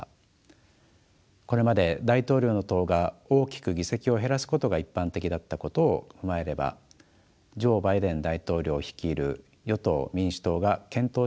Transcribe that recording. これまで大統領の党が大きく議席を減らすことが一般的だったことを踏まえればジョー・バイデン大統領率いる与党民主党が健闘したといえるでしょう。